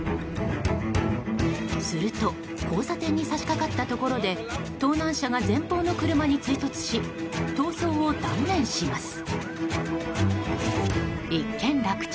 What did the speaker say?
すると交差点に差し掛かったところで盗難車が前方の車に追突し逃走を断念します。